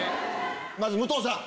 まず武藤さん。